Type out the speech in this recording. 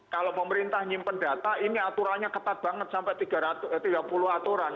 kalau pemerintah nyimpen data ini aturannya ketat banget sampai tiga puluh aturan